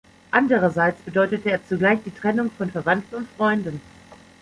Andererseits bedeutete er zugleich die Trennung von Verwandten und Freunden.